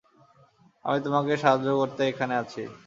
আমি তোমাকে সাহায্য করতে এখানে আছি।